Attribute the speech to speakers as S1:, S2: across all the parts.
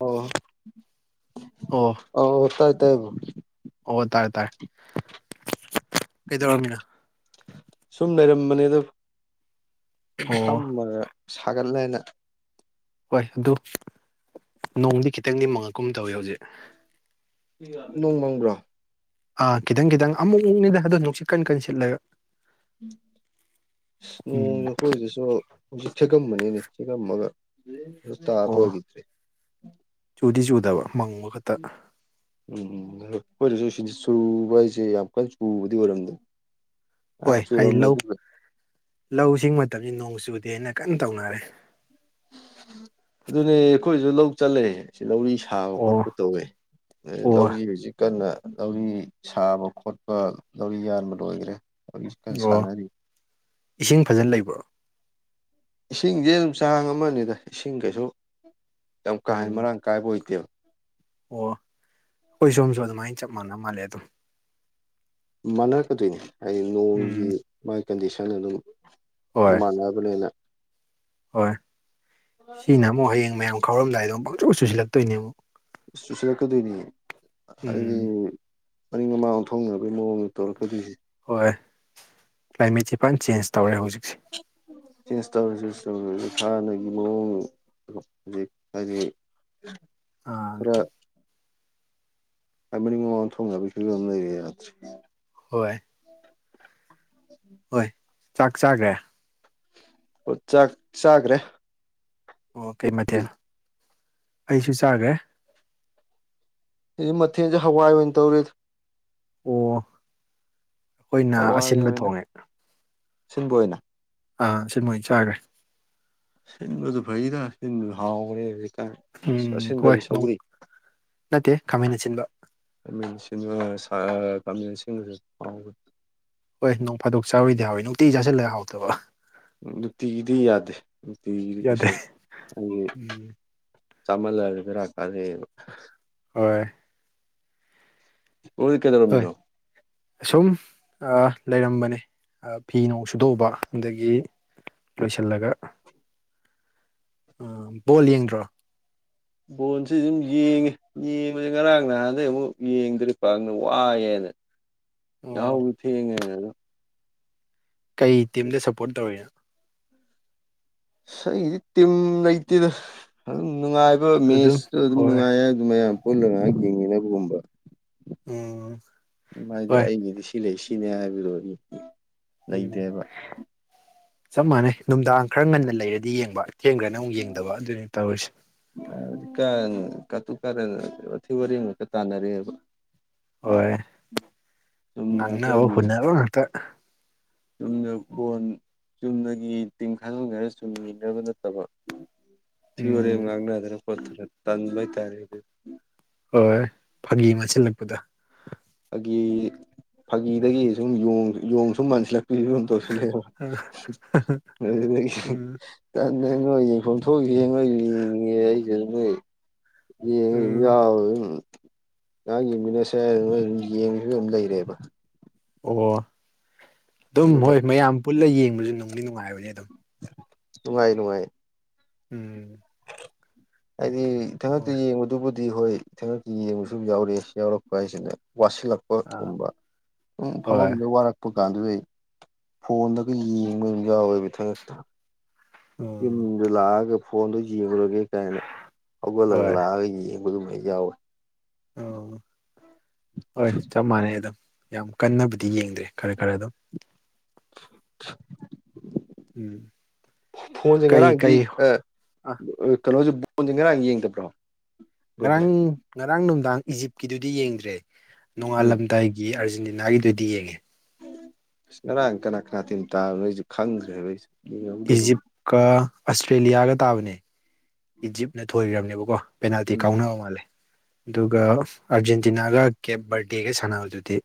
S1: ꯑꯣ
S2: ꯑꯣ
S1: ꯑꯣ ꯑꯣ ꯇꯥꯏ ꯇꯥꯏ ꯕ꯭ꯔꯣ
S2: ꯑꯣ ꯇꯥꯔꯦ ꯇꯥꯔꯦ ꯀꯩꯗꯧꯔꯝꯃꯤꯅꯣ
S1: ꯁꯨꯝ ꯂꯩꯔꯝꯕꯅꯤꯗꯣ ꯁꯨꯝ
S2: ꯑꯣ
S1: ꯐꯝꯃ ꯁꯥꯒꯠꯂꯦꯅ
S2: ꯍꯣꯢ ꯑꯗꯨ ꯅꯣꯡꯗꯤ ꯈꯤꯇꯪꯗꯤ ꯃꯪꯉꯛꯀꯨꯝ ꯇꯧꯏꯤ ꯍꯧꯖꯤꯛ
S1: ꯅꯣꯡ ꯃꯪꯕ꯭ꯔꯥ
S2: ꯑꯥ ꯈꯤꯇꯪ ꯈꯤꯇꯪ ꯑꯃꯨꯃꯨꯛꯅꯤꯗ ꯑꯗꯣ ꯅꯨꯡꯁꯤꯠ ꯀꯟ ꯀꯟ ꯁꯤꯠꯂꯒ
S1: ꯅꯣꯡ
S2: ꯎꯝ
S1: ꯑꯩꯈꯣꯏꯗꯁꯨ ꯍꯧꯖꯤꯛ ꯈꯤꯛꯑꯝꯕꯅꯤꯅꯦ ꯇꯤꯛꯑꯝꯃꯒ ꯇꯥꯗꯣꯔꯤ
S2: ꯑꯣ ꯆꯨꯗꯤ ꯆꯨꯗꯕ ꯃꯪꯕ ꯈꯛ
S1: ꯎꯝ ꯈꯣꯏꯗꯁꯨ ꯁꯤꯗꯥ ꯆꯨꯕ ꯍꯥꯏꯁꯤ ꯌꯥꯝ ꯀꯟꯅ ꯆꯨꯕꯗꯤ ꯑꯣꯏꯔꯝꯗꯦ
S2: ꯍꯣꯏ
S1: ꯉꯥꯏꯍꯥꯛ
S2: ꯍꯥꯏꯗꯤ
S1: ꯆꯨꯔꯝꯃꯦ
S2: ꯂꯧ
S1: ꯑꯗꯨꯒ
S2: ꯂꯧꯁꯤꯡ ꯃꯇꯝꯁꯤ ꯅꯣꯡ ꯆꯨꯗꯦ ꯍꯥꯏꯅ ꯀꯟꯅ ꯇꯧꯅꯔꯦ
S1: ꯑꯗꯨꯅꯦ ꯑꯩꯈꯣꯏꯁꯨ ꯂꯧ ꯆꯠꯂꯦ ꯁꯤ ꯂꯧꯔꯤ ꯁꯥꯕ
S2: ꯑꯣ
S1: ꯈꯣꯠꯄ ꯇꯧꯋꯦ
S2: ꯑꯣ
S1: ꯂꯧꯔꯤ ꯍꯧꯖꯤꯛ ꯀꯟꯅ ꯂꯧꯔꯤ ꯁꯥꯕ ꯈꯣꯠꯄ ꯂꯧꯔꯤ ꯌꯥꯟꯕ ꯂꯣꯏꯈ꯭ꯔꯦ ꯍꯧꯖꯤꯛꯀꯟ
S2: ꯑꯣ
S1: ꯁꯥꯟꯅꯔꯤ
S2: ꯏꯁꯤꯡ ꯐꯖꯅ ꯂꯩꯕ꯭ꯔꯣ
S1: ꯏꯁꯤꯡꯁꯦ ꯑꯗꯨꯝ ꯆꯥꯡ ꯑꯃꯅꯤꯗ ꯏꯁꯤꯡ ꯀꯩꯁꯨ ꯌꯥꯝ ꯀꯥ ꯍꯦꯟꯅ
S2: ꯎꯝ
S1: ꯃꯔꯥꯡ ꯀꯥꯏꯕ ꯑꯣꯏꯗꯦꯕ
S2: ꯑꯣ ꯑꯩꯈꯣꯏ ꯁꯣꯝꯁꯨ ꯑꯗꯨꯃꯥꯏꯅ ꯆꯞ ꯃꯥꯟꯅ ꯃꯥꯜꯂꯦ ꯑꯗꯨꯝ
S1: ꯃꯥꯟꯅꯔꯛꯀꯗꯣꯏꯅꯤ ꯍꯥꯏꯗꯤ ꯅꯣꯡꯒꯤ
S2: ꯎꯝ
S1: ꯃꯥꯒꯤ ꯀꯟꯗꯤꯁꯟ ꯑꯗꯨꯝ
S2: ꯍꯣꯏ
S1: ꯃꯥꯅꯕꯅꯤꯅ
S2: ꯍꯣꯏ ꯁꯤꯅ ꯑꯃꯨꯛ ꯍꯌꯦꯡ ꯃꯌꯥꯝ ꯈꯥꯎꯔꯝꯗꯥꯏꯗꯝ ꯄꯪꯆꯨ ꯆꯨꯁꯤꯜꯂꯛꯇꯣꯏꯅꯦ ꯑꯃꯨꯛ
S1: ꯆꯨꯁꯜꯂꯛꯀꯗꯣꯏꯅꯤ ꯍꯥꯢꯗꯤ
S2: ꯎꯝ
S1: ꯃꯅꯤꯡ ꯃꯃꯥꯡ ꯑꯣꯟꯊꯣꯛꯅꯕꯩ ꯃꯑꯣꯡ ꯇꯧꯔꯛꯀꯗꯣꯏꯁꯦ
S2: ꯍꯣꯏ ꯀ꯭ꯂꯥꯏꯃꯦꯠꯁꯦ ꯐꯅ ꯆꯦꯟꯖ ꯇꯧꯔꯦ ꯍꯧꯖꯤꯛꯁꯦ
S1: ꯆꯁ ꯇꯧꯔ ꯇꯧꯔ ꯍꯥꯟꯅꯒꯤ ꯃꯑꯣꯡ 'inaudible' ꯍꯥꯏꯗꯤ
S2: ꯑꯥ
S1: ꯍꯥꯏ ꯃꯤꯅꯤꯡ ꯃꯃꯥꯡ ꯑꯣꯟꯊꯣꯛꯅꯕꯩꯪ ꯐꯤꯚꯝ ꯑꯃ ꯂꯩꯔꯦ ꯌꯗꯔꯦ
S2: ꯍꯣꯏ ꯍꯣꯏ ꯆꯥꯛ ꯆꯥꯈ꯭ꯔꯦ
S1: ꯥꯛ ꯆꯥꯈ꯭ꯔꯦ
S2: ꯑꯣ ꯀꯩ ꯃꯊꯦꯜ ꯑꯩꯁꯨ ꯆꯥꯒ꯭ꯔꯦ
S1: ꯁꯤꯗꯤ ꯃꯊꯦꯟꯁꯦ ꯍꯋꯥꯏ ꯑꯣꯏꯅ ꯇꯧꯔꯤ
S2: ꯑꯣ ꯑꯩꯈꯣꯏꯅ
S1: ꯍꯋꯥꯏꯅ
S2: ꯑꯁꯤꯟꯕ
S1: ꯑꯣꯏꯅ
S2: ꯊꯣꯡꯉꯦ
S1: ꯁꯤꯟꯕ ꯑꯣꯏꯅ
S2: ꯑꯥ ꯁꯤ ꯃꯣꯏ ꯆꯥꯈ꯭ꯔꯦ
S1: ꯁꯤꯡꯁꯨ ꯐꯩꯗ ꯁꯤꯡ ꯍꯥꯎꯈꯔꯦ
S2: ꯎꯝ
S1: ꯆꯁꯤꯟ
S2: ꯍꯣꯏ
S1: ꯗꯤ
S2: ꯅꯣꯡ
S1: ꯁꯧꯒꯔꯤ
S2: ꯅꯠꯇꯦ ꯈꯥꯃꯦꯟ ꯑꯁꯤꯟꯕ
S1: ꯃ ꯀꯥꯃꯦꯟꯁꯤꯡꯁꯨ ꯐꯥꯎ
S2: ꯍꯣꯏ ꯅꯣꯡ ꯐꯥꯗꯣꯛ ꯆꯔꯣꯏꯗꯤ ꯍꯥꯎꯋꯏ ꯅꯨꯡꯇꯤ ꯆꯥꯁꯤꯜꯂꯦ ꯍꯥꯎꯇꯕ
S1: ꯅꯨꯡꯇꯤꯒꯤꯗꯤ ꯌꯥꯗꯦ ꯅꯨꯡꯇꯤꯒꯤꯗꯤ
S2: ꯌꯥꯗꯦ
S1: ꯀꯩꯁꯨ ꯑꯩꯒꯤ
S2: ꯎꯝ
S1: ꯆꯥꯃꯜꯂꯛꯑꯗꯤ ꯕꯦꯔꯥ ꯀꯥꯔꯦꯕ
S2: ꯍꯣꯏ
S1: ꯎ ꯀꯩꯗꯧꯔꯝꯃꯤꯅꯣ
S2: ꯑꯁꯨꯝ ꯑ ꯂꯩꯔꯝꯕꯅꯦ ꯑ ꯐꯤ ꯅꯣꯡ ꯁꯨꯗꯣꯛꯎꯕ ꯑꯗꯒꯤ ꯂꯣꯏꯁꯤꯜꯂꯒ ꯑ ꯕꯣꯜ ꯌꯦꯡꯗ꯭ꯔꯣ
S1: ꯕꯣꯣꯟꯁꯤ ꯑꯗꯨꯝ ꯌꯦꯡꯉꯦ ꯌꯦꯡꯕꯁꯦ ꯉꯔꯥꯡ ꯅꯍꯥꯟꯗꯒꯤꯩ ꯑꯃꯨꯛ ꯌꯦꯡꯗ꯭ꯔꯔꯤꯀꯅ ꯋꯥꯏꯑꯦꯅ
S2: ꯑꯣ
S1: ꯌꯥꯎ ꯍꯧꯗꯤ ꯍꯦꯉ ꯍꯥꯏꯅꯣ
S2: ꯀꯩ ꯇꯤꯝꯗ ꯁꯞꯄꯣꯔꯠ ꯇꯧꯔꯤꯅꯣ
S1: ꯑꯩꯗꯤ ꯇꯤꯝ ꯂꯩꯇꯦꯗ ꯑꯗꯨꯝ ꯅꯨꯡꯉꯥꯏꯕ ꯃꯦꯠꯁꯇꯣ ꯑꯗꯨꯝ ꯅꯨꯡꯉꯥꯏꯌꯦ ꯑꯗꯨ ꯃꯌꯥꯝ ꯄꯨꯜꯂꯒ ꯉꯥꯏꯍꯥꯛ ꯌꯦꯡꯉꯤꯅꯕꯒꯨꯝꯕ
S2: ꯎꯝ
S1: ꯎ ꯍꯥꯏꯗꯤ
S2: ꯍꯣꯏ
S1: ꯑꯩꯒꯤꯗꯤ ꯁꯤ ꯂꯩ ꯁꯤꯅꯦ ꯍꯥꯏꯕꯤꯔꯣꯑꯣ ꯏ
S2: ꯎꯝ ꯆꯞ ꯃꯥꯟꯅꯩ ꯅꯨꯡꯗꯥꯡ ꯈꯔ ꯉꯟꯅ ꯂꯩꯔꯗꯤ ꯌꯦꯡꯕ ꯊꯦꯡꯈ꯭ꯔꯦꯅ ꯑꯃꯨꯛ ꯌꯦꯡꯗꯕ ꯑꯗꯨꯅꯤ ꯇꯧꯔꯤꯁꯦ
S1: ꯑ ꯀꯥꯟ ꯀꯥꯇꯨ ꯀꯥꯔꯟ ꯋꯥꯊꯤ ꯋꯥꯔꯦꯝ ꯉꯛꯇ ꯇꯥꯟꯅꯔꯦꯕ
S2: ꯍꯣꯏ
S1: ꯆꯨꯝꯅ
S2: ꯉꯥꯡꯅꯕ
S1: ꯑꯩꯈꯣꯏꯒꯤ
S2: ꯍꯨꯅꯕ ꯉꯥꯛꯇ
S1: ꯆꯨꯝꯅ ꯕꯣꯜ ꯆꯨꯝꯅꯒꯤ ꯇꯤꯝ ꯈꯥꯗꯣꯛꯅꯔ ꯆꯨꯝꯅ ꯌꯦꯡꯅꯕ ꯅꯠꯇꯕ ꯋꯊꯤ ꯑꯦꯔꯦꯝ
S2: ꯎꯝ
S1: ꯉꯪꯅꯗꯅ ꯈꯣꯇꯅ ꯇꯟꯕ ꯍꯥꯏꯇꯔꯦ
S2: ꯍꯣꯏ ꯐꯥꯒꯤ ꯃꯟꯁꯤꯜꯂꯛꯄꯗ
S1: ꯐꯥꯒꯤ ꯐꯥꯒꯤꯗꯒꯤ ꯁꯨꯝ ꯌꯣꯡ ꯁꯨꯝ ꯃꯥꯟꯁꯤꯜꯂꯛꯄꯤ ꯁꯨꯝ ꯂꯣꯏꯁꯤꯜꯂꯦꯕ
S2: ꯎꯝ
S1: 'unintelligible' ꯅꯣꯏ ꯌꯦꯟꯐꯝ ꯊꯣꯛ ꯌꯦꯡꯉꯣ ꯑꯩꯁꯨ ꯌꯦꯡꯒꯦ 'unintelligible' ꯅꯣꯏ
S2: ꯎꯝ
S1: ꯌꯦꯡꯉ ꯑꯗꯨꯝ ꯌꯥꯎꯋꯝ ꯉꯍꯥꯛ ꯌꯦꯡꯃꯤꯟꯅꯁꯦ ꯑꯗꯨ ꯑꯗꯨꯝ ꯌꯦꯡꯕꯁꯨ ꯑꯗꯨꯝ ꯂꯩꯔꯦꯕ
S2: ꯑꯣ ꯑꯗꯨꯝ
S1: ꯑꯗꯨꯒ
S2: ꯍꯣꯏ ꯃꯌꯥꯝ ꯄꯨꯜꯂ ꯌꯦꯡꯕꯁꯨ ꯅꯨꯡꯗꯤ ꯅꯨꯡꯉꯥꯏꯕꯅꯦ ꯑꯗꯨꯝ
S1: ꯅꯨꯉꯥꯏ ꯅꯨꯉꯥꯏ
S2: ꯎꯝ
S1: ꯑꯩꯗꯤ ꯏꯊꯟꯈꯛꯇ
S2: ꯍꯣꯏ
S1: ꯌꯦꯡꯕ ꯑꯗꯨꯕꯨꯗꯤ ꯍꯣꯏ ꯊꯟꯉꯛꯀꯤ ꯌꯦꯡꯕ ꯁꯨꯝ ꯌꯥꯎꯔꯛꯑꯦ ꯌꯥꯎꯔꯛꯄ ꯍꯥꯏꯁꯤꯅ ꯋꯥꯠꯁꯤꯜꯂꯛꯄ ꯄꯣꯠ
S2: ꯑꯥ
S1: ꯀꯨꯝꯕ ꯎ
S2: ꯍꯣꯏ
S1: ꯐꯝꯃꯝꯗ ꯋꯥꯔꯛꯄ ꯀꯥꯟꯗꯨꯗ ꯑꯩ ꯐꯣꯟꯗꯒ ꯌꯦꯡꯕ ꯑꯗꯨꯝ ꯌꯥꯎꯋꯦꯕ ꯏꯊꯪꯈꯛꯇ
S2: ꯎꯝ
S1: ꯌꯨꯝꯗꯨ ꯂꯥꯛꯑꯒ ꯐꯣꯟꯗꯨꯣ ꯌꯦꯡꯂꯡꯨꯔꯒꯦ ꯀꯥꯏꯅ ꯍꯧꯒꯠꯂꯒ
S2: ꯍꯣꯏ
S1: ꯂꯥꯛꯑꯒ ꯌꯦꯡꯉ ꯑꯗꯨꯗꯨꯃ ꯌꯥꯎꯋꯦ
S2: ꯑꯣ ꯍꯣꯏ ꯆꯞ ꯃꯥꯟꯅꯩ ꯑꯗꯨꯝ ꯌꯥꯝ ꯀꯟꯅꯕꯨꯗꯤ ꯌꯦꯡꯗ꯭ꯔꯦ ꯈꯔ ꯈꯔ ꯑꯗꯨꯝ ꯎꯝ
S1: ꯐꯣꯟꯁꯦ
S2: ꯀꯩ
S1: ꯉꯔꯥꯡꯗꯤ
S2: ꯀꯩ ꯑꯥ
S1: ꯍꯣꯏ ꯀꯩꯅꯣꯁꯤ ꯕꯣꯟꯁꯤ ꯉꯔꯡ ꯌꯦꯡꯗꯕꯔꯣ
S2: ꯉꯔꯥꯡ ꯉꯔꯥꯡ ꯅꯨꯡꯃꯤꯗꯥꯡ ꯏꯖꯤꯞꯀꯤꯗꯨꯗꯤ ꯌꯦꯡꯗ꯭ꯔꯦ
S1: ꯎꯝ
S2: ꯅꯣꯡꯉꯥꯜꯂꯝꯗꯥꯏ ꯒꯤ ꯑꯔꯖꯦꯟꯇꯤꯅꯥꯒꯤꯗꯨꯗꯤ ꯌꯦꯡꯉꯦ
S1: ꯁꯔ ꯀꯅꯥ ꯀꯅꯥ ꯇꯤꯝ ꯇꯥꯏꯅꯣꯁꯨ ꯈꯪ꯭ꯗꯔꯦ ꯑꯩꯁꯦ
S2: ꯏꯖꯤꯞꯀ ꯑꯁꯇ꯭ꯔꯦꯂꯤꯌꯥꯒ ꯇꯥꯕꯅꯦ ꯏꯖꯤꯞꯅ ꯊꯣꯏꯈ꯭ꯔꯕꯅꯦꯕꯀꯣ ꯄꯦꯅꯥꯜꯇꯤ
S1: ꯎꯝ
S2: ꯀꯥꯎꯅꯕ ꯃꯥꯜꯂꯦ ꯑꯗꯨꯒ ꯑꯥꯔꯖꯦꯟꯇꯤꯅꯥꯒ ꯀꯦꯞ ꯕꯔꯗꯦꯒ ꯁꯥꯟꯅꯕꯗꯨꯗꯤ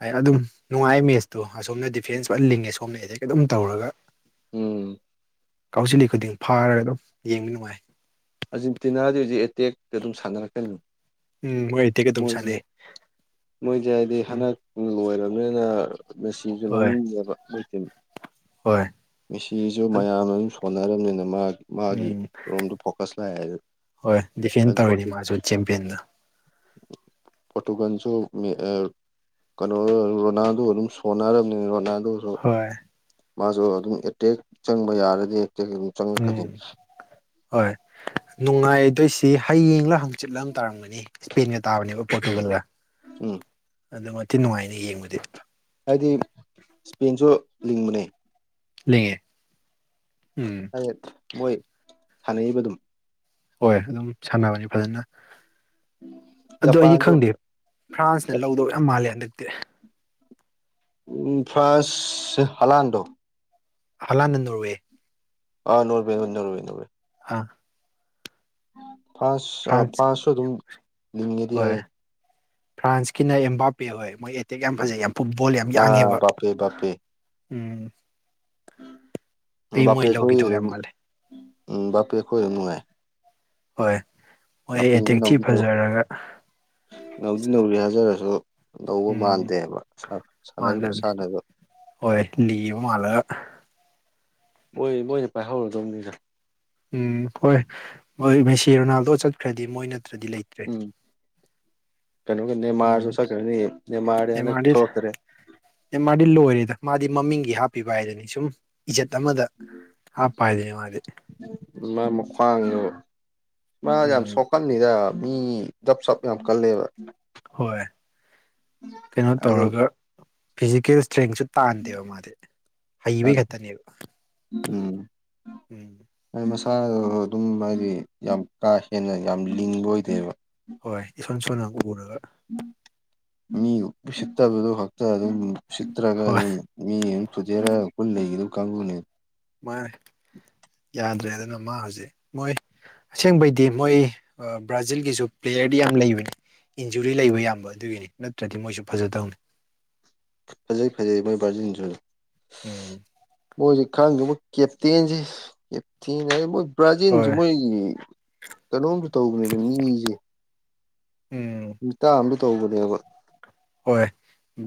S2: ꯍꯥꯏ ꯑꯗꯨꯝ ꯅꯨꯡꯉꯥꯏ ꯃꯦꯁꯇꯣ ꯑꯁꯣꯝꯅ ꯗꯤꯐꯦꯟꯁ ꯐꯖꯟ ꯂꯤꯡꯉꯦ ꯁꯣꯝꯅ ꯑꯇꯦꯛ ꯑꯗꯨꯝ ꯇꯧꯔꯒ
S1: ꯎꯝ
S2: ꯀꯥꯎꯁꯤꯜꯂꯤ ꯈꯨꯗꯤꯡ ꯐꯥꯔꯒ ꯑꯗꯨꯝ ꯌꯦꯡꯕ ꯅꯨꯡꯉꯥꯏ
S1: ꯑꯥꯔꯖꯦꯟꯇꯤꯅꯥꯗꯤ ꯍꯧꯖꯤꯛ ꯑꯦꯇꯦꯛꯇ ꯑꯗꯨꯝ ꯁꯥꯟꯅꯔꯛꯀꯅꯤ
S2: ꯎꯝ ꯍꯣꯏ ꯑꯇꯩꯒ ꯑꯗꯨꯝ
S1: ꯃꯣꯏꯁꯦ
S2: ꯁꯥꯟꯅꯩ
S1: ꯃꯣꯏꯁꯦ ꯍꯥꯏꯗꯤ
S2: ꯎꯝ
S1: ꯍꯟꯗꯛ ꯂꯣꯏꯔꯕꯅꯤꯅ ꯃꯦꯁꯤꯁꯨ
S2: ꯍꯣꯏ
S1: ꯂꯧꯅꯤꯡꯉꯦꯕ ꯃꯣꯏꯁꯤ
S2: ꯍꯣꯏ
S1: ꯃꯤꯁꯤꯁꯨ ꯃꯌꯥꯝꯅ ꯑꯗꯨꯝ ꯁꯣꯟꯅꯔꯝꯅꯤꯅ ꯃꯥ ꯃꯥꯒꯤ
S2: ꯎꯝ
S1: ꯔꯣꯝꯗ ꯐꯣꯀꯁ ꯂꯥꯛꯑꯦ
S2: ꯍꯣꯏ ꯗꯤꯐꯦꯟ ꯇꯧꯔꯤꯅꯤ
S1: ꯄꯣꯔꯇꯨ
S2: ꯃꯥꯁꯨ ꯆꯦꯝꯄꯤꯌꯟꯗꯣ [inaudible]
S1: ꯄꯣꯠꯇꯨꯒꯟꯁꯨ ꯃ ꯑ ꯀꯩꯅꯣ ꯔꯣꯅꯥꯜꯗꯣ ꯑꯗꯨꯝ ꯁꯣꯟꯅꯔꯔꯕꯅꯤ ꯔꯣꯅꯥꯜꯗꯣ
S2: ꯍꯣꯏ
S1: ꯃꯥꯁꯨ ꯑꯗꯨꯝ ꯑꯦꯇꯦꯛ ꯆꯪꯕ ꯌꯥꯔꯗꯤ ꯑꯦꯇꯦꯛ ꯑꯗꯨꯝ ꯆꯪꯂꯉꯛ
S2: ꯎꯝ
S1: ꯈꯗꯤꯅꯤ
S2: ꯍꯣꯏ ꯅꯨꯡꯉꯥꯏꯗꯣꯏꯁꯤ ꯍꯌꯦꯡꯂ ꯍꯪꯆꯤꯠꯂ ꯇꯥꯔꯝꯒꯅꯤ ꯏꯁꯄꯦꯟꯒ ꯇꯥꯕꯅꯦꯕ ꯄꯣꯔꯇꯨꯒꯜꯒ
S1: ꯎꯝ
S2: ꯑꯗꯨ ꯃꯇꯤ ꯅꯨꯡꯉꯥꯏꯅ ꯌꯦꯡꯕꯗꯤ
S1: ꯍꯥꯏꯗꯤ ꯏꯁꯄꯦꯟꯁꯨ ꯂꯤꯡꯕꯅꯦ
S2: ꯂꯩꯉꯦ ꯎꯝ
S1: ꯑꯩ ꯃꯣꯏ ꯁꯥꯟꯅꯕ ꯑꯗꯨꯝ
S2: ꯍꯣꯏ ꯑꯗꯨꯝ ꯁꯥꯟꯅꯕꯅꯤ ꯐꯖꯅ ꯑꯗꯨ ꯑꯩꯗꯤ
S1: ꯖꯄꯥꯟꯁꯨ
S2: ꯈꯪꯗꯦ ꯐ꯭ꯔꯥꯟꯁꯅ ꯂꯧꯗꯧ ꯌꯥꯝ ꯃꯥꯜꯂꯦ ꯍꯟꯗꯛꯇꯤ
S1: ꯐꯔꯁ ꯍꯜꯂ ꯍꯟꯗꯣ
S2: ꯍꯂꯅ ꯅꯣꯋꯦ
S1: ꯑꯥ ꯅꯣꯏꯕꯤ ꯅꯣꯏ ꯅꯣꯏꯕꯤ ꯅꯣꯏ
S2: ꯎꯝ
S1: ꯐꯥꯁ
S2: ꯐ꯭ꯔꯥꯟꯁ
S1: ꯐꯥꯁꯁꯨ ꯑꯗꯨꯝ ꯂꯤꯡꯉꯦꯗꯤ
S2: ꯍꯣꯏ
S1: ꯍꯥꯏ
S2: ꯐ꯭ꯔꯥꯟꯁꯀꯤꯅ ꯑꯦꯝꯕꯥꯄꯦ ꯍꯣꯏ ꯃꯣꯏꯠ ꯇꯦꯛ ꯌꯥꯝ ꯐꯖꯩ ꯌꯥꯝ ꯐꯨꯠꯕꯣꯜ ꯌꯥꯝ
S1: ꯑꯥ
S2: ꯌꯥꯡꯉꯦꯕ
S1: ꯕꯥꯄꯦ ꯕꯥꯄꯦ
S2: ꯎꯝ ꯑꯩ
S1: ꯕꯥꯄꯦ
S2: ꯃꯣꯏ
S1: ꯑꯩꯈꯣꯏ
S2: ꯂꯧꯈꯤꯗꯧ
S1: ꯑꯗꯨꯝ
S2: ꯌꯥꯝ ꯃꯥꯜꯂꯦ
S1: ꯎꯝ ꯕꯥꯄꯦ ꯑꯩꯈꯣꯏ ꯑꯗꯨꯝ ꯅꯨꯡꯉꯥꯏ
S2: ꯍꯣꯏ ꯍꯣꯏ
S1: ꯕꯥꯄꯦꯗꯨ
S2: ꯑꯦꯇꯦꯛ ꯊꯤ
S1: ꯅꯧꯗꯤ ꯅꯧ
S2: ꯐꯖꯔꯒ
S1: ꯅꯧꯗꯤ ꯅꯒꯔꯤ ꯍꯥꯏꯖꯔꯣ ꯉꯝꯗꯧꯕ
S2: ꯎꯝ
S1: ꯃꯥꯟꯗꯦꯕ ꯁꯥ ꯁꯥꯟꯅꯔꯤ
S2: ꯃꯥꯟꯗꯕꯅꯤ
S1: ꯈꯨꯁꯥꯅꯒ
S2: ꯍꯣꯏ ꯂꯤꯕ ꯃꯥꯂꯒ
S1: ꯃꯣꯏ ꯃꯣꯏꯅ ꯄꯥꯏꯍꯧꯔꯗꯕꯅꯤꯅ
S2: ꯎꯝ ꯍꯣꯏꯣꯏ ꯁꯤ ꯔꯣꯅꯥꯜꯗꯣ ꯆꯠꯈ꯭ꯔꯗꯤ ꯃꯣꯏ ꯅꯠꯇ꯭ꯔꯗꯤ ꯂꯩꯇꯦ
S1: ꯎ ꯀꯩꯅꯣꯒ
S2: ꯎꯝ
S1: ꯅꯦꯃꯥꯔꯁꯨ ꯆꯠꯈ꯭ꯔꯅꯤ ꯅꯦꯃꯥꯔ ꯍꯟꯗꯛ ꯊꯣꯛꯈ꯭ꯔꯦ
S2: ꯃꯥꯗꯤ ꯂꯣꯏꯔꯦꯗ ꯃꯥꯗꯤ ꯃꯃꯤꯡꯒꯤ ꯍꯥꯞꯄꯤꯕ ꯍꯥꯏꯗꯅꯤ ꯁꯨꯝ ꯏꯖꯠ ꯑꯃꯗ ꯍꯥꯄꯥꯏꯗꯦ ꯃꯥꯗꯤ
S1: ꯃꯥ ꯃ꯭ꯈꯋ꯭ꯥꯡꯗꯨ ꯃꯥ ꯌꯥꯝ
S2: ꯎꯝ
S1: ꯁꯣꯛꯀꯅꯤꯗ ꯃꯤ ꯗꯞ ꯁꯞ ꯌꯥꯝ ꯀꯜꯂꯦꯕ
S2: ꯍꯣꯏ ꯀꯩꯅꯣ
S1: ꯍꯥꯏꯗꯤ
S2: ꯇꯧꯔꯒ ꯐꯤꯖꯤꯀꯦꯜ ꯏꯁꯇ꯭ꯔꯦꯡꯁꯨ ꯇꯥꯟꯗꯦꯕ ꯃꯥꯗꯤ ꯍꯩꯕꯩ ꯈꯛꯇꯅꯦꯕ
S1: ꯎꯝ
S2: ꯎꯝ
S1: ꯍꯥꯏ ꯃꯁꯥꯗ ꯑꯗꯨꯝ ꯍꯥꯏꯗꯤ ꯌꯥꯝ ꯀꯥ ꯍꯦꯟꯅ ꯌꯥꯝ ꯂꯤꯡꯕ ꯑꯣꯏꯗꯦꯕ
S2: ꯍꯣꯏ ꯏꯁꯣꯟ ꯁꯣꯟꯅ ꯎꯔꯒ
S1: ꯃꯤ ꯎꯁꯤꯠꯇꯕꯗꯨ ꯈꯛꯇ ꯑꯗꯨ ꯎꯁꯤꯠꯇ꯭ꯔꯒ
S2: ꯍꯣꯏ
S1: ꯑꯗꯨ ꯃꯤ ꯑꯃ [unintelligible] ꯄꯨꯟ ꯂꯩꯒꯤꯗꯧ ꯀꯥꯡꯕꯨꯅꯦꯕ
S2: ꯃꯥꯅꯦ ꯌꯥꯗ꯭ꯔꯦ ꯑꯗꯨꯅ ꯃꯥ ꯍꯧꯖꯤꯛ ꯃꯣꯏ ꯑꯁꯦꯡꯕꯩꯗꯤ ꯃꯣꯏ ꯕ꯭ꯔꯥꯖꯤꯜꯒꯤꯁꯨ ꯄ꯭ꯂꯦꯌꯔꯗꯤ ꯌꯥꯝ ꯂꯩꯕꯅꯤ ꯏꯟꯖꯨꯔꯤ ꯂꯩꯕ ꯌꯥꯝꯕ ꯑꯗꯨꯒꯤꯅꯤ ꯅꯠꯇ꯭ꯔꯗꯤ ꯃꯣꯏꯁꯨ ꯐꯖꯗꯧꯅꯤ
S1: ꯐꯖꯩ ꯐꯖꯩ ꯃꯣꯏ ꯕꯥꯔꯖꯤꯜꯁꯨ
S2: ꯎꯝ
S1: ꯃꯣꯏꯖꯤ ꯈꯪꯒ ꯀꯦꯞꯇꯦꯟꯖꯤ [unintelligible] ꯕ꯭ꯔꯥꯖꯤꯟꯁꯨ
S2: ꯍꯣꯏ
S1: ꯃꯣꯏꯒꯤ ꯀꯩꯅꯣꯝꯁꯨ ꯇꯧꯕꯅꯦꯅ ꯃꯤꯁꯦ
S2: ꯎꯝ
S1: ꯃꯤꯇꯥ ꯑꯝꯗ ꯇꯧꯕꯅꯦꯕ
S2: ꯍꯣꯏ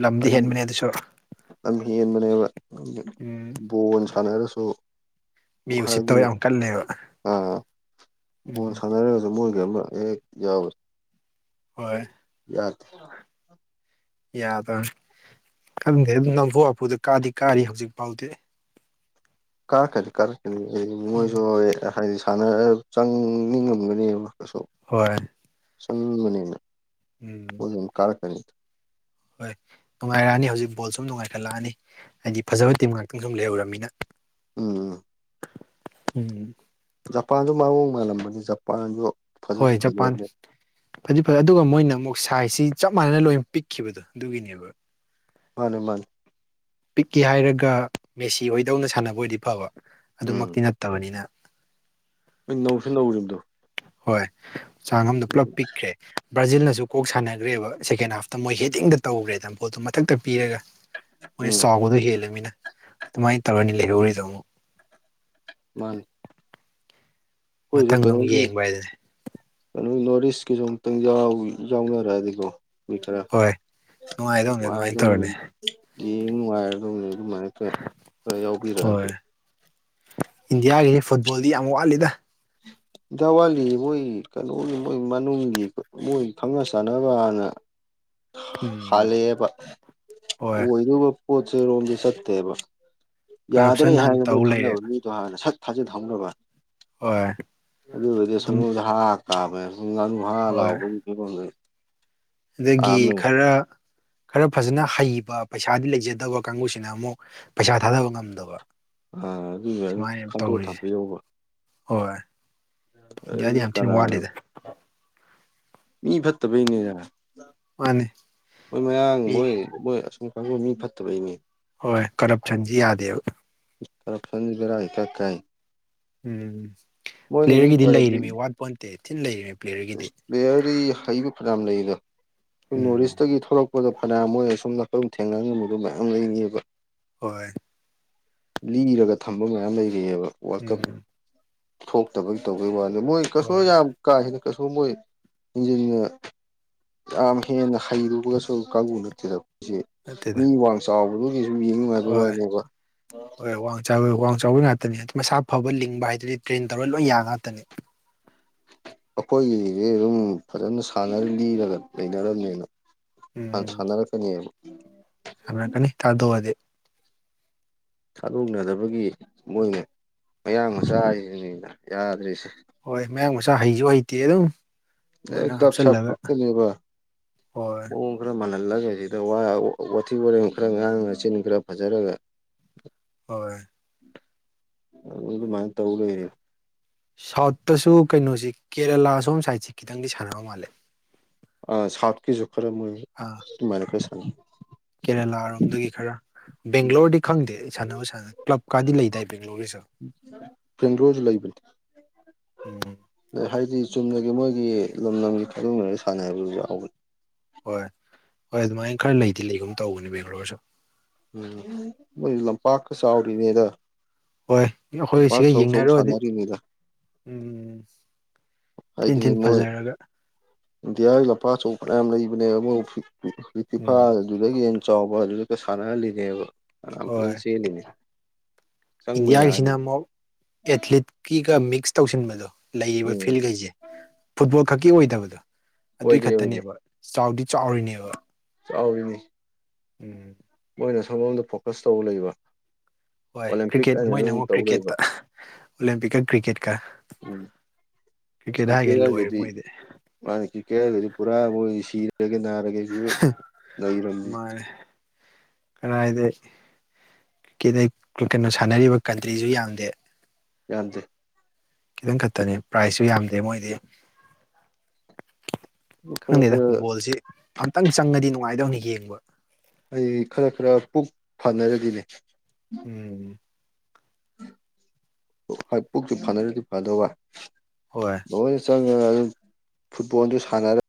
S2: ꯂꯝꯗꯤ ꯍꯦꯟꯕꯅꯦ ꯑꯗꯨꯁꯨ
S1: ꯂꯝ ꯍꯦꯟꯕꯅꯦꯕ
S2: ꯎꯝ
S1: ꯕꯣꯜ ꯁꯥꯟꯅꯔꯁꯨ
S2: ꯃꯤ
S1: ꯍꯥꯏꯗꯤ
S2: ꯎꯁꯤꯠꯇꯕ ꯌꯥꯝ ꯀꯜꯂꯦꯕ
S1: ꯑꯥ ꯕꯣꯜ
S2: ꯎꯝ
S1: ꯁꯥꯟꯅꯔꯒꯁꯨ ꯃꯣꯏꯒꯤ ꯑꯃ ꯍꯦꯛ ꯌꯥꯎꯋꯦ
S2: ꯍꯣꯏ
S1: ꯌꯥꯗ
S2: ꯌꯥꯗꯔ ꯈꯪꯗꯦꯑꯗꯨ ꯅꯝꯐꯨ ꯍꯥꯐꯨꯗ ꯀꯥꯗꯤ ꯀꯥꯔꯤ ꯍꯧꯖꯤꯛ ꯐꯥꯎꯗꯤ
S1: ꯀꯥꯔꯛꯀꯅꯤ ꯀꯥꯔꯛꯀꯅꯤ ꯑꯩ
S2: ꯎꯝ
S1: ꯃꯣꯏꯁꯨ ꯍꯥꯏꯗꯤ ꯁꯥꯟꯅ ꯆꯪꯅꯤꯡꯉꯝꯒꯅꯦꯕ ꯀꯁꯨ
S2: ꯍꯣꯏ
S1: ꯁꯝ ꯃꯅꯤꯅꯦ
S2: ꯎꯝ
S1: ꯀꯥꯔꯛꯀꯅꯤ
S2: ꯍꯣꯏ ꯅꯨꯡꯉꯥꯏꯔꯛꯑꯅꯤ ꯍꯧꯖꯤꯛ ꯕꯣꯜ ꯁꯨꯝ ꯅꯨꯡꯉꯥꯏꯈꯠꯂꯛꯑꯅꯤ ꯍꯥꯏꯗꯤ ꯐꯖꯕ ꯇꯤꯝ ꯉꯥꯛꯇꯪ ꯁꯨꯝ ꯂꯩꯍꯧꯔꯕꯃꯤꯅ
S1: ꯎꯝ
S2: ꯎꯝ
S1: ꯖꯄꯥꯟꯁꯨ ꯃꯑꯣꯡ ꯃꯥꯜꯂꯝꯕꯅꯤ ꯖꯄꯥꯟꯁꯨ ꯐꯖꯗꯤ
S2: ꯍꯣꯏ ꯖꯄꯥꯟ
S1: ꯐꯖꯕꯅꯦ
S2: ꯐꯗꯤ ꯐꯩ ꯑꯗꯨꯒ ꯃꯣꯏꯅ ꯑꯃꯨꯛ ꯁꯥꯏꯖꯁꯤ ꯆꯞ ꯃꯥꯟꯅꯅ ꯂꯣꯏꯅ ꯄꯤꯛꯈꯤꯕꯗꯣ ꯑꯗꯨꯒꯤꯅꯦꯕ
S1: ꯃꯥꯅꯦ ꯃꯥꯅꯦ
S2: ꯄꯤꯛꯀꯦ ꯍꯥꯏꯔꯒ ꯃꯦꯁꯤ ꯑꯣꯏꯗꯧꯅ ꯁꯥꯟꯅꯕ ꯑꯣꯏꯗꯤ ꯐꯕ
S1: ꯎꯝ
S2: ꯑꯗꯨꯃꯛꯇꯤ ꯅꯠꯇꯕꯅꯤꯅ
S1: ꯍꯣꯏ ꯅꯧꯁꯨ ꯅꯧꯔꯤꯕꯗꯣ
S2: ꯍꯣꯏ ꯆꯥꯡ ꯑꯃꯗ ꯄꯨꯂꯞ ꯄꯤꯛꯈ꯭ꯔꯦ ꯕ꯭ꯔꯥꯖꯤꯜꯅꯁꯨ ꯀꯣꯛ ꯁꯥꯟꯅꯈ꯭ꯔꯦꯕ ꯁꯦꯀꯦꯟ ꯍꯥꯐꯇ ꯃꯣꯏ ꯍꯦꯗꯤꯡꯗ ꯇꯧꯈ꯭ꯔꯦꯗꯅ ꯕꯣꯜꯗꯨꯣ ꯃꯊꯛꯇ ꯄꯤꯔꯒ ꯃꯣꯏ
S1: ꯎꯝ
S2: ꯆꯥꯎꯕꯗꯣ ꯍꯦꯜꯂꯃꯤꯅ ꯑꯗꯨꯃꯥꯏꯅ ꯇꯧꯔꯅꯤ ꯂꯩꯍꯧꯔꯤꯗ ꯑꯃꯨꯛ
S1: ꯃꯥꯅꯤ ꯑꯩꯈꯣꯏꯁꯨ
S2: ꯃꯊꯪꯗ ꯑꯃꯨꯛ
S1: ꯀꯩꯅꯣꯒꯤ
S2: ꯌꯦꯡꯕ ꯍꯥꯏꯗꯨꯅꯦ
S1: ꯀꯩꯅꯣ ꯅꯣꯔꯠ ꯏꯁꯀꯤꯁꯨ ꯑꯝꯇꯪ ꯌꯥꯎꯅꯔꯛꯑꯗꯤꯀꯣ ꯍꯣꯏ ꯈꯔ
S2: ꯍꯣꯏ ꯅꯨꯡꯉꯥꯏꯗꯧꯅꯦ ꯑꯗꯨꯃꯥꯏꯅ
S1: ꯅꯨꯡꯉꯥꯏꯗꯧꯅꯦ
S2: ꯇꯧꯔꯅꯤ
S1: ꯌꯦꯡ ꯅꯨꯡꯉꯥꯏꯔꯗꯧꯅꯦ ꯑꯗꯨꯃꯥꯏꯅ ꯈꯔ ꯈꯔ ꯌꯥꯎꯕꯤꯔꯛꯑꯗꯤ
S2: ꯏꯟꯗꯤꯌꯥꯒꯤ ꯐꯨꯠꯕꯣꯜꯗꯤ ꯌꯥꯝ ꯋꯥꯠꯂꯤꯗ
S1: ꯋꯥꯂꯤ ꯃꯣꯏ ꯀꯩꯅꯣꯒꯤ ꯃꯣꯏ ꯃꯅꯨꯡꯒꯤ ꯃꯣꯏ ꯈꯪꯅ ꯆꯥꯟꯅꯕꯅ ꯍꯥꯟꯅ
S2: [inaudible] ꯎꯝ
S1: ꯍꯥꯂꯛꯑꯦꯕ
S2: ꯍꯣꯏ
S1: ꯑꯣꯏꯗꯣꯕ ꯄꯣꯠꯁꯦ ꯔꯣꯝꯗꯤ ꯆꯠꯇꯦꯕ ꯌꯥꯗꯣꯔꯦ
S2: ꯀꯔꯞꯁꯟ ꯍꯥꯟꯅ
S1: ꯍꯥꯏꯅ
S2: ꯇꯧ
S1: ꯃꯣꯏ
S2: ꯂꯩꯔꯦ
S1: ꯈꯪꯅꯕ ꯃꯤꯗꯣ ꯍꯥꯟꯅ ꯁꯠ ꯊꯥꯖꯤꯟ ꯍꯧꯅꯕ
S2: ꯍꯣꯏ
S1: ꯑꯗꯨ ꯑꯣꯏꯗꯤ
S2: ꯑꯗꯨꯝ
S1: ꯁꯣꯒꯣꯗ ꯍꯥ ꯍꯥ ꯀꯥꯝꯕ ꯁꯨ ꯉꯅꯨ ꯍꯥꯍꯥ
S2: ꯍꯣꯏ
S1: ꯂꯥꯎꯕꯒꯤ ꯀꯩꯅꯣꯝ ꯂꯩ
S2: ꯑꯗꯒꯤ ꯈꯔ ꯈꯔ ꯐꯖꯅ ꯍꯩꯕ ꯄꯩꯁꯥꯗꯤ ꯂꯩꯖꯗꯕ ꯀꯥꯡꯕꯨꯁꯤꯅ ꯑꯃꯨꯛ ꯄꯩꯁꯥ ꯊꯥꯗꯕ ꯉꯝꯗꯕ
S1: ꯑ ꯑꯗꯨꯗ ꯑꯗꯨꯝ
S2: ꯁꯨꯃꯥꯏꯅ
S1: ꯈꯟꯗꯣꯛꯑ
S2: ꯇꯧꯔꯤꯁꯦ
S1: ꯊꯝꯕꯤꯔꯧꯕ
S2: ꯍꯣꯏ ꯌꯥꯅꯤ
S1: ꯑꯗꯨꯗꯤ
S2: ꯌꯥꯝ ꯊꯤꯅ
S1: ꯀꯅꯥꯅ
S2: ꯋꯥꯠꯂꯤꯗ
S1: ꯃꯤ ꯐꯠꯇꯕꯩꯅꯤꯅ
S2: ꯃꯥꯅꯤ
S1: ꯃꯣꯏ ꯃꯌꯥꯡ
S2: ꯃꯤ
S1: ꯃꯣꯏ ꯃꯣꯏ ꯑꯁꯨꯝ ꯀꯥꯡꯕꯨ ꯃꯤ ꯐꯠꯇꯕꯩꯅꯦ
S2: ꯍꯣꯏ ꯀꯔꯞꯁꯟꯖꯤ ꯌꯥꯗꯦꯕ
S1: ꯀꯔꯞꯁꯟꯖꯤ ꯕꯦꯔꯥ ꯏꯀ ꯀꯥꯏ
S2: ꯎꯝ
S1: ꯃꯣꯏꯅ ꯃꯤ
S2: ꯄ꯭ꯂꯦꯌꯔꯒꯤꯗꯤ
S1: ꯐꯔꯗꯤ
S2: ꯂꯩꯔꯤꯃꯤ ꯋꯥꯠꯄꯣꯟꯇꯦ ꯊꯤꯟ ꯂꯩꯔꯤꯃꯤ ꯄ꯭ꯂꯦꯌꯔꯒꯤꯗꯤ
S1: ꯞꯂꯦꯌꯔꯗꯤ ꯍꯩꯕ ꯐꯅꯥꯝ ꯂꯩꯗ ꯑꯩꯈꯣꯏ ꯅꯣꯔꯠ
S2: ꯎꯝ
S1: ꯏꯁꯇꯒꯤ ꯊꯣꯛꯂꯛ ꯄꯗ ꯐꯅꯥꯝ ꯃꯣꯏ ꯑꯁꯨꯝꯅꯀꯜ ꯊꯦꯡꯅ ꯉꯝꯃꯣꯏꯗꯕ ꯃꯌꯥꯝ ꯂꯩꯅꯤꯑꯦꯕ
S2: ꯍꯣꯏ
S1: ꯂꯤꯔꯒ ꯊꯝꯕ ꯃꯌꯥꯝ ꯂꯩꯔꯤꯑꯦꯕ ꯋꯥꯔꯜ ꯀꯞ
S2: ꯎꯝ
S1: ꯊꯣꯛꯇꯕꯒꯤ ꯇꯧꯕꯩ ꯋꯥꯅꯤ ꯃꯣꯏ ꯀꯩꯁꯨ
S2: ꯍꯣꯏ
S1: ꯌꯥꯝ ꯀꯥ ꯍꯦꯟꯅ ꯀꯩꯁꯨ ꯃꯣꯏ ꯏꯟꯖꯤꯟꯅ ꯌꯥꯝ ꯍꯦꯟꯅ ꯍꯩꯔꯨꯕꯒꯁꯨ ꯀꯥꯡꯕꯨ ꯅꯠꯇꯦꯗ ꯆꯦ ꯃꯤ
S2: ꯅꯠꯇꯦꯗ
S1: ꯋꯥꯡ ꯆꯥꯎꯕꯗꯨꯒꯤꯁꯨꯨꯝ ꯌꯦꯡ ꯅꯨꯉꯥꯏꯕꯩꯋꯥꯅꯦꯕ ꯑꯣ
S2: ꯁꯥꯏ ꯃꯔꯨ ꯋꯥꯡ ꯆꯥꯎꯕꯩ ꯉꯥꯛꯇꯅꯦ ꯑꯗꯨ ꯃꯁꯥ ꯐꯕ ꯂꯤꯡꯕ ꯍꯥꯏꯗꯨꯗꯤ ꯇ꯭ꯔꯦꯟ ꯇꯧꯔꯒ ꯂꯣꯏ ꯌꯥ ꯉꯥꯛꯇꯅꯤ
S1: ꯑꯩꯈꯣꯏꯒꯤꯗꯤ ꯑꯗꯨꯝ ꯐꯖꯅ ꯁꯥꯟꯅ ꯂꯤꯔꯒ ꯂꯩꯅꯔꯝꯅꯦꯅ ꯍꯥꯟ
S2: ꯎꯝ
S1: ꯁꯥꯟꯅꯔꯛꯀꯅꯦꯕ
S2: ꯁꯥꯟꯅꯔꯛꯀꯅꯤ ꯊꯥꯗꯣꯛꯑꯗꯤ
S1: ꯊꯥꯗꯣꯛꯅꯗꯕꯒꯤ ꯃꯣꯏꯅ ꯃꯌꯥꯡ ꯃꯆꯥꯔꯤꯁꯤꯅꯤꯅ ꯌꯥꯗ꯭ꯔꯤꯁꯦ
S2: ꯍꯣꯏ ꯃꯌꯥꯡ ꯃꯆꯥ ꯍꯩꯖꯨ ꯍꯩꯇꯦ ꯑꯗꯨꯝ
S1: ꯑꯦ
S2: ꯃꯣꯏꯅ
S1: ꯗꯞ ꯁꯞ
S2: ꯍꯥꯞꯆꯤꯜꯂꯒ
S1: ꯐꯥꯛꯇꯅꯦꯕ
S2: ꯍꯣꯏ
S1: ꯃꯑꯣꯡ ꯈꯔ ꯃꯥꯜꯍꯜꯂꯒ ꯁꯤꯗ ꯋꯥ ꯋꯥꯊꯤ ꯋꯥꯔꯦꯝ ꯈꯔ ꯉꯥꯡꯉ ꯆꯤꯟ ꯈꯔ ꯐꯖꯔꯒ
S2: ꯍꯣꯏ
S1: ꯑ ꯑꯗꯨꯃꯥꯏꯟ ꯇꯧꯂꯩꯔꯦ
S2: ꯁꯥꯎꯠꯇꯁꯨ ꯀꯩꯅꯣꯁꯤ ꯀꯦꯔꯦꯂꯥ ꯁꯣꯝ ꯁꯥꯏꯠꯁꯦ ꯈꯤꯇꯪꯗꯤ ꯁꯥꯟꯅꯕ ꯃꯥꯜꯂꯦ ꯑ
S1: ꯑ ꯁꯥꯎꯠ ꯀꯤꯖꯨ ꯈꯔ ꯃꯣꯏ ꯇꯨꯃꯥꯏꯅ ꯈꯔ ꯁꯥꯟꯅꯩ
S2: ꯀꯦꯔꯦꯂꯥꯔꯣꯝꯗꯒꯤ ꯈꯔ
S1: ꯎꯝ
S2: ꯕꯦꯡꯒ꯭ꯂꯣꯔꯗꯤ ꯈꯪꯗꯦ ꯁꯥꯟꯅꯕ ꯁꯥꯟꯅ ꯀ꯭ꯂꯕꯀꯥꯗꯤ ꯂꯩꯗꯥꯏ ꯕꯦꯡꯒꯂꯣꯔꯒꯤꯁꯨ
S1: ꯄꯦꯡꯒꯔꯣꯖꯨ ꯂꯩꯕꯅꯤ
S2: ꯎꯝ
S1: ꯅꯦ ꯍꯥꯏꯗꯤ ꯆꯨꯝꯅꯒꯤ ꯃꯣꯏꯒꯤ ꯂꯝ ꯂꯝꯒꯤ ꯈꯥꯏꯗꯣꯡꯅꯔꯒ ꯁꯥꯟꯅꯕꯖꯨ ꯌꯥꯎꯕꯅꯤ
S2: ꯍꯣꯏ ꯍꯣꯏ ꯑꯗꯨꯃꯥꯏꯅ ꯈꯔ ꯂꯩꯗꯤ ꯂꯩꯒꯨꯝ ꯇꯧꯕꯅꯦ ꯕꯦꯡꯒ꯭ꯂꯔꯣꯁꯨ
S1: ꯎꯝ ꯃꯣꯏ ꯂꯝꯄꯥꯛꯀ ꯆꯥꯎꯗꯔꯤꯅꯦꯗ
S2: ꯍꯣꯏ ꯑꯩꯈꯣꯏ ꯁꯤꯒ ꯌꯦꯡꯅꯔꯨꯔꯗꯤ
S1: ꯁꯥꯟꯅꯔꯤꯅꯤꯗ
S2: ꯎꯝ ꯊꯤꯟ ꯊꯤꯟ ꯐꯖꯔꯒ
S1: ꯏꯗꯤꯌꯥ ꯂꯝꯄꯥꯛ ꯑꯆꯧꯕ ꯐꯩꯅꯌꯥꯝ ꯂꯩꯕꯅꯦꯕ ꯐꯤ
S2: ꯎꯝ
S1: ꯐꯤꯐꯥꯜ ꯑꯗꯨꯗꯒꯤ ꯌꯦꯟ ꯆꯥꯎꯕ ꯑꯗꯨꯗꯒ ꯁꯥꯟꯅꯍꯜꯂꯤꯅꯦꯕ ꯐꯅꯥꯝ
S2: ꯍꯣꯏ
S1: ꯐꯖꯅ ꯆꯦꯜꯂꯤꯅꯦ ꯆꯪꯕ ꯌꯥꯔꯅꯤ
S2: ꯏꯟꯗꯤꯌꯥꯒꯤꯁꯤꯅ ꯑꯃꯨꯛ ꯑꯦꯊꯂꯤꯂꯦꯠꯀꯤꯒ ꯃꯤꯛꯁ ꯇꯧꯁꯤꯟꯕꯗꯣ ꯂꯩꯔꯤꯕ
S1: ꯎꯝ
S2: ꯐꯤꯜꯒꯩꯁꯦ ꯐꯨꯠꯕꯣꯜ ꯈꯛꯀꯤ ꯑꯣꯏꯗꯕꯗꯣ ꯑꯗꯨꯏ
S1: ꯑꯣꯏꯗꯦ ꯑꯣꯏꯗꯦ
S2: ꯈꯛꯇꯅꯦꯕ ꯆꯥꯎꯗꯤ ꯆꯥꯎꯔꯤꯅꯦꯕ
S1: ꯆꯥꯎ ꯔꯤꯅꯤ
S2: ꯎꯝ
S1: ꯃꯣꯏꯅ ꯁꯣꯝꯂꯣꯝꯗ ꯐꯣꯀꯁ ꯇꯧꯕ ꯂꯩꯕ
S2: ꯍꯣꯏ
S1: ꯑꯣꯂꯦꯝꯄꯤꯛ
S2: ꯀ꯭ꯔꯤꯛꯀꯦꯠ
S1: ꯑꯅ
S2: ꯃꯣꯏꯅ
S1: ꯑꯗꯨꯝ
S2: ꯑꯃꯨꯛ
S1: ꯇꯧ ꯂꯩꯕ
S2: ꯀ꯭ꯔꯤꯛꯀꯦꯠꯇ ꯑꯣꯂꯦꯝꯄꯤꯛꯀ ꯀ꯭ꯔꯤꯛꯀꯦꯠꯀ
S1: ꯎꯝ
S2: ꯀ꯭ꯔꯤꯛꯀꯦꯠ ꯍꯥꯏꯒꯗꯤ ꯂꯣꯏꯔꯦ ꯃꯣꯏꯗꯤ
S1: ꯃꯥꯅꯦ ꯀꯤꯀꯦꯠ ꯍꯥꯏꯒꯗꯤ ꯄꯨꯔꯥ ꯃꯣꯏꯗꯤ ꯁꯤꯔꯒꯦ ꯅꯔ
S2: ꯃꯥꯅꯦ ꯀꯔꯏꯗꯩ ꯀꯦꯗꯩ ꯀꯔꯤꯀꯦꯠꯅ ꯁꯥꯟꯅꯔꯤꯕ ꯀꯟꯇ꯭ꯔꯤꯖꯨ ꯌꯥꯝꯗꯦ
S1: ꯌꯥꯝꯗꯦ
S2: ꯈꯤꯇꯪ ꯈꯛꯇꯅꯤ ꯄ꯭ꯔꯥꯏꯖꯁꯨ ꯌꯥꯝꯗꯦ ꯃꯣꯏꯗꯤ
S1: ꯈꯔ
S2: ꯈꯪꯗꯦꯗ
S1: ꯈꯔ
S2: ꯕꯣꯜꯁꯤ ꯑꯝꯛꯇꯪ ꯆꯪꯉꯗꯤ ꯅꯨꯡꯉꯥꯏꯗꯧꯅꯤ ꯌꯦꯡꯕ
S1: ꯑꯩ ꯈꯔ ꯈꯔ ꯄꯨꯛ ꯐꯅꯔꯗꯤꯅꯦ
S2: ꯎꯝ
S1: ꯍꯣꯏ ꯄꯨꯛꯇꯨ ꯐꯅꯔꯗꯤ ꯐꯗꯧꯕ
S2: ꯍꯣꯏ
S1: ꯂꯣꯏꯅ ꯆꯪꯉꯦ ꯑꯗꯨ ꯐꯨꯠꯕꯣꯜꯗꯨ ꯁꯥꯟꯅꯔ